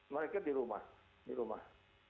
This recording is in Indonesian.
mereka di rumah di rumah